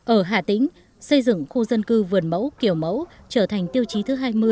ở hà tĩnh xây dựng khu dân cư vườn mẫu kiểu mẫu trở thành tiêu chí thứ hai mươi